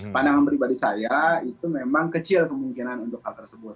pandangan pribadi saya itu memang kecil kemungkinan untuk hal tersebut